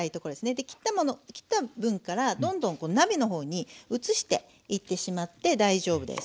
で切った分からどんどん鍋の方に移していってしまって大丈夫です。